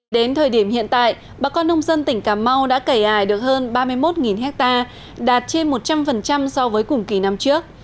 đến thời điểm hiện tại bà con nông dân tỉnh cà mau đã cẩy ải được hơn ba mươi một ha đạt trên một trăm linh so với cùng kỳ năm trước